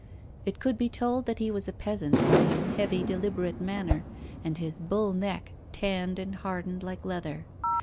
It could be told that he was a peasant by his heavy, deliberate manner and his bull neck, tanned and hardened like leather.